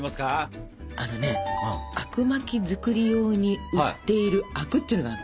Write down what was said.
あのねあくまき作り用に売っている灰汁っていうのがあるの。